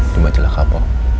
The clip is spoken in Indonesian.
di majalah kapol